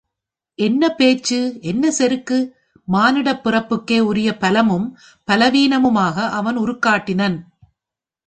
என்ன பேச்சு, என்ன செருக்கு... மானுடப் பிறப்புக்கே உரிய பலமும் பலவீனமுமாக அவன் உருக்காட்டினன்!